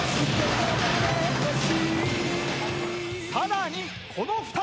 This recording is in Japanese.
さらにこの２人！